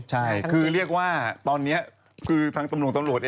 เหมือนดูสะอาดสะอาด